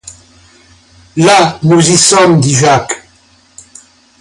Là, nous y sommes, dit Jacques.